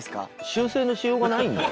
修正のしようがないんだよ。